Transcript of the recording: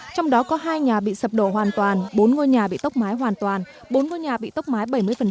trong đó có hai nhà bị sập đổ hoàn toàn bốn ngôi nhà bị tốc mái hoàn toàn bốn ngôi nhà bị tốc mái bảy mươi